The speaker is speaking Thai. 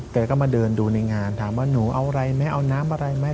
แกก็มาเดินดูในงานถามว่าหนูเอาอะไรไหมเอาน้ำอะไรไหม